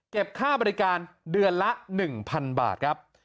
ค่าบริการเดือนละ๑๐๐๐บาทครับ